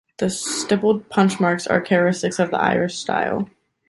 The stippled punch marks are characteristic of the Irish style.